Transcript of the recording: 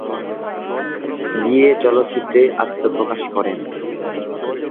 দিয়ে চলচ্চিত্রে আত্মপ্রকাশ করেন।